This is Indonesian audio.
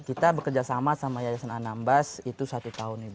kita bekerjasama sama yayasan anambas itu satu tahun ibu